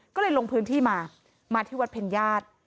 ก็เลยลงพื้นที่มามาที่วัดเพ็ญญาติ